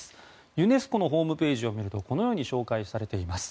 ユネスコのホームページを見るとこのように紹介されています。